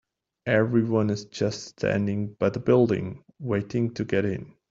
Everyone is just standing by the building, waiting to get in.